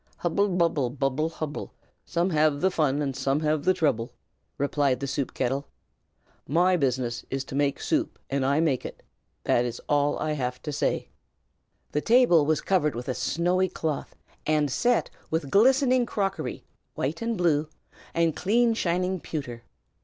"Hubble! bubble! Bubble! hubble! Some have the fun, and some have the trouble!" replied the soup kettle. "My business is to make soup, and I make it. That is all I have to say." The table was covered with a snowy cloth, and set with glistening crockery white and blue and clean shining pewter.